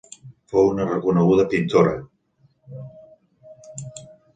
Fou una reconeguda pintora.